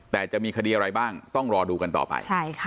แต่จะมีคดีอะไรบ้างต้องรอดูกันต่อไป